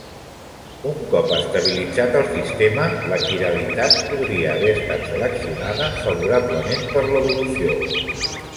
Un cop estabilitzat el sistema, la quiralitat podria haver estat seleccionada favorablement per l'evolució.